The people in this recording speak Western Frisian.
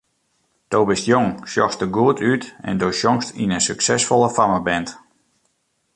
Do bist jong, sjochst der goed út en do sjongst yn in suksesfolle fammeband.